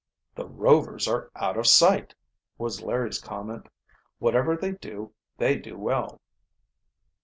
"The Rovers are out of sight!" was Larry's comment. "Whatever they do they do well."